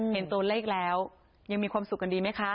เห็นตัวเลขแล้วยังมีความสุขกันดีไหมคะ